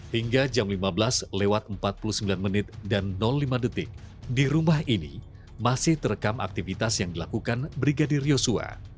hingga jam lima belas empat puluh sembilan lima di rumah ini masih terekam aktivitas yang dilakukan brigadir yosua